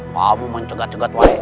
kamu mencegat cegat wang